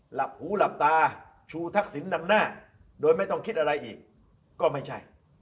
หลับหูหลับตาชูทักษิณนำหน้าโดยไม่ต้องคิดอะไรอีกก็ไม่ใช่